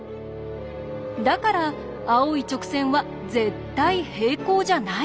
だから青い直線は絶対平行じゃないんです。